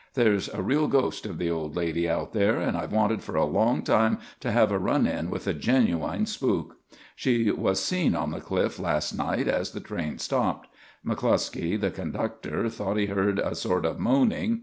There's a real ghost of the old lady out there and I've wanted for a long time to have a run in with a genuine spook. She was seen on the cliff last night as the train stopped. McCluskey, the conductor, thought he heard a sort of moaning.